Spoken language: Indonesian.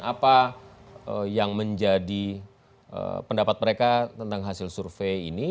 apa yang menjadi pendapat mereka tentang hasil survei ini